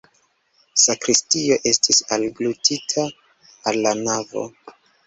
Sakristio estis alglutita al la navo.